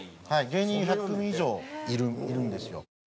芸人１００組以上いるんですよ。